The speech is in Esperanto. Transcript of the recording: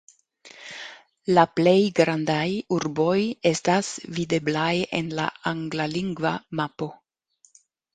La plej grandaj urboj estas videblaj en la anglalingva mapo.